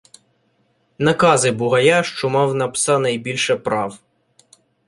накази Бугая, що мав на пса найбільше прав.